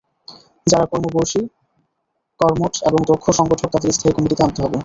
যাঁরা কমবয়সী, কর্মঠ এবং দক্ষ সংগঠক তাঁদের স্থায়ী কমিটিতে আনতে হবে।